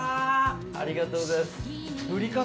ありがとうございます。